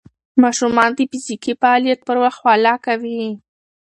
ماشومان د فزیکي فعالیت پر وخت خوله کوي.